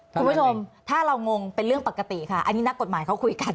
คุณผู้ชมถ้าเรางงเป็นเรื่องปกติค่ะอันนี้นักกฎหมายเขาคุยกัน